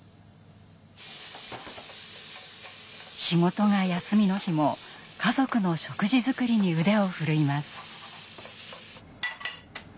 仕事が休みの日も家族の食事作りに腕を振るいます。